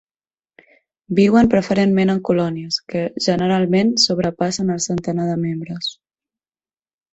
Viuen preferentment en colònies que, generalment, sobrepassen el centenar de membres.